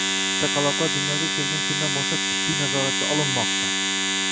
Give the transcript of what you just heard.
Chaqaloqlar dunyoga kelgan kundan boshlab tibbiy nazoratga olinmoqda